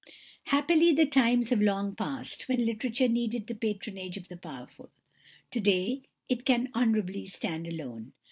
Happily the times have long passed when literature needed the patronage of the powerful. To day it can honourably stand alone.